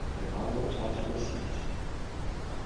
There are no titular sees.